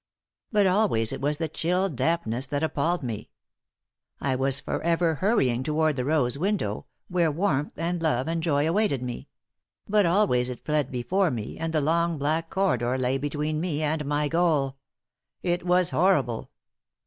But always it was the chill dampness that appalled me. I was forever hurrying toward the rose window, where warmth and love and joy awaited me; but always it fled before me, and the long black corridor lay between me and my goal. It was horrible."